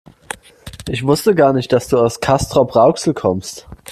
Ich wusste gar nicht, dass du aus Castrop-Rauxel kommst